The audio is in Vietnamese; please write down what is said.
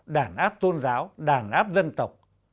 đàn áp tôn giáo đàn áp dân tộc